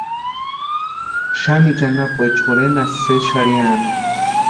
Xanichu anapuecha jorhenasti sési xarhiani.